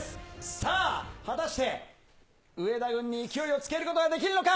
さあ、果たして、上田軍に勢いをつけることはできるのか？